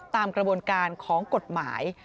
ตามกระบวนการของกฎหมาย